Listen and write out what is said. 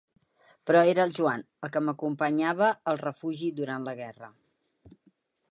Però era el Joan, el que m'acompanyava al refugi durant la guerra.